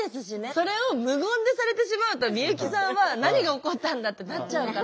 それを無言でされてしまうと美由紀さんは何が起こったんだってなっちゃうから。